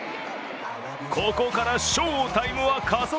ここから翔タイムは加速！